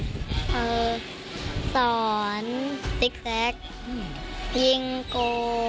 คือสอนติ๊กแซ็กยิงโก